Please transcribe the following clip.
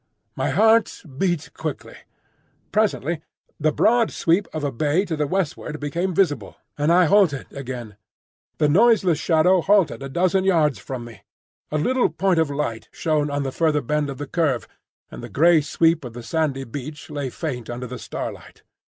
My heart beat quickly. Presently the broad sweep of a bay to the westward became visible, and I halted again. The noiseless shadow halted a dozen yards from me. A little point of light shone on the further bend of the curve, and the grey sweep of the sandy beach lay faint under the starlight.